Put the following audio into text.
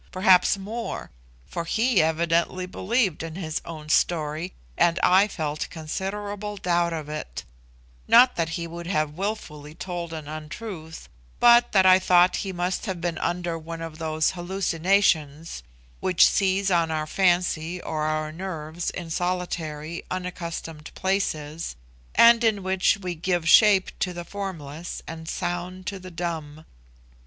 Perhaps more; for he evidently believed in his own story, and I felt considerable doubt of it; not that he would have wilfully told an untruth, but that I thought he must have been under one of those hallucinations which seize on our fancy or our nerves in solitary, unaccustomed places, and in which we give shape to the formless and sound to the dumb.